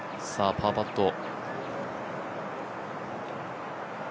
パーパット。